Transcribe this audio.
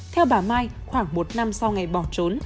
theo bà mai khoảng một năm sau ngày bỏ trốn